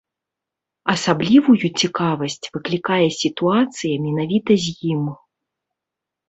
Асаблівую цікавасць выклікае сітуацыя менавіта з ім.